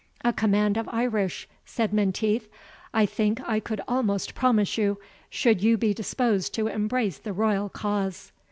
"A command of Irish," said Menteith, "I think I could almost promise you, should you be disposed to embrace the royal cause."